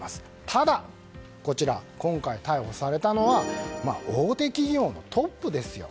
ただ、今回逮捕されたのは大手企業のトップですよ。